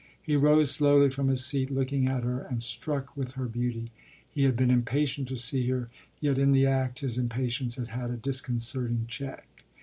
He rose slowly from his seat, looking at her and struck with her beauty: he had been impatient to see her, yet in the act his impatience had had a disconcerting check.